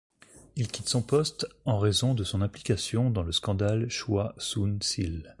Il quitte son poste en raison de son implication dans le scandale Choi Soon-sil.